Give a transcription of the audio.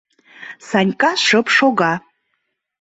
Санька шып шога.